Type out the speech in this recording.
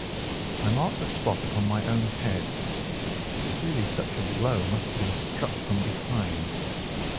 I marked the spot upon my own head. Clearly such a blow must have been struck from behind.